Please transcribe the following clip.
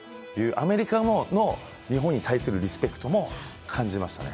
アメリカの日本に対するリスペクトも感じましたね。